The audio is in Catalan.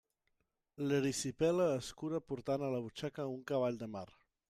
L'erisipela es cura portant a la butxaca un cavall de mar.